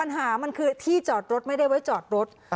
ปัญหามันคือที่จอดรถไม่ได้ไว้จอดรถ